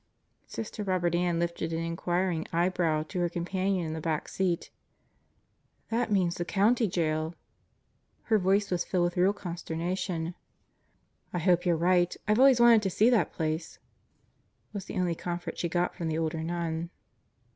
Sister Robert Ann lifted an inquiring eyebrow to her companion in the back seat. "That means the County Jail!" Her voice was^ filled with real consternation. "I hope you're right. I've always wanted to see that place," was the only comfort she got from the older nun.